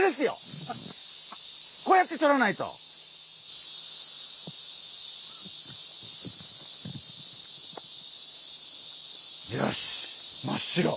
よし！